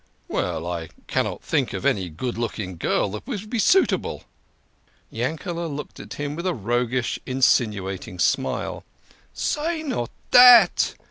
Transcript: "Well, but I cannot think of any good looking girl that would be suitable." Yankel6 looked at him with a roguish, insinuating smile. " Say not dat